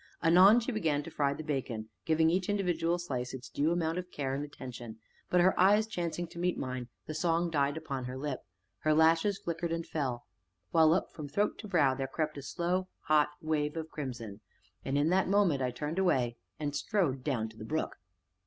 Anon she began to fry the bacon, giving each individual slice its due amount of care and attention; but, her eyes chancing to meet mine, the song died upon her lip, her lashes flickered and fell, while up from throat to brow there crept a slow, hot wave of crimson. And in that moment I turned away and strode down to the brook.